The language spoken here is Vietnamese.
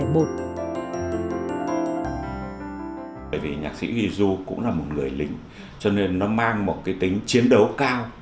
bởi vì nhạc sĩ huy du cũng là một người lính cho nên nó mang một cái tính chiến đấu cao